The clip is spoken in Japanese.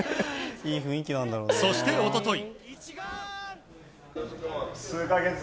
そして、一昨日。